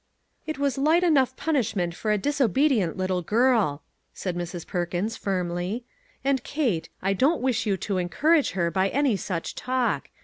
" It was light enough punishment for a dis obedient little girl," said Mrs. Perkins, firmly; and, Kate, I don't wish you to encourage her by any such talk.